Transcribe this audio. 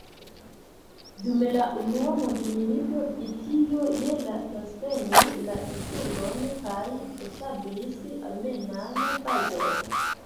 Dum la unua mondmilito Britio je la transprenis la insulon kaj establis armean bazon.